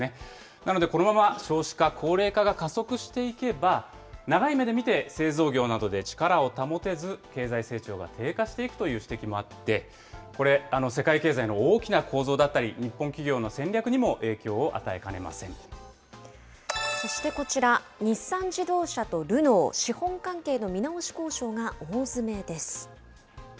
なので、このまま少子化、高齢化が加速していけば、長い目で見て、製造業などで力を保てず、経済成長が低下していくという指摘もあって、これ、世界経済の大きな構造だったり、日本企業の戦略にも影響を与えかそしてこちら、日産自動車とルノー、資本関係の見直し交渉が大詰めです。